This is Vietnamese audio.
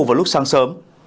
vào lúc sáng sớm